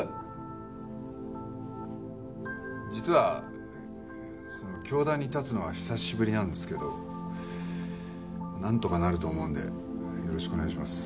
実は教壇に立つのは久しぶりなんですけどなんとかなると思うのでよろしくお願いします。